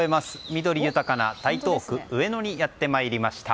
緑豊かな台東区上野にやってまいりました。